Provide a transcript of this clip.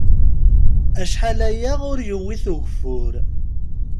Acḥal aya ur yewwit ugeffur.